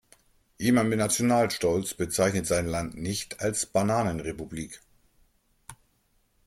Jemand mit Nationalstolz bezeichnet sein Land nicht als Bananenrepublik.